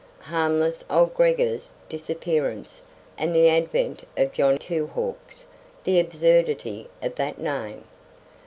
Harmless old Gregor's disappearance and the advent of John Two Hawks the absurdity of that name!